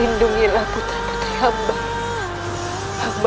lindungilah putri putri hamba